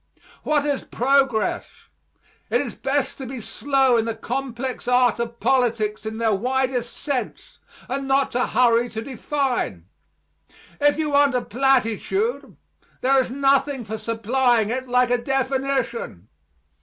What is progress? It is best to be slow in the complex arts of politics in their widest sense, and not to hurry to define. If you want a platitude, there is nothing for supplying it like a definition.